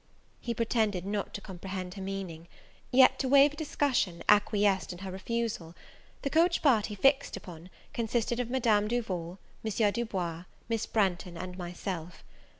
He pretended not to comprehend her meaning; yet, to waive a discussion, acquiesced in her refusal. The coach party fixed upon, consisted of Madame Duval, M. Du Bois, Miss Branghton, and myself.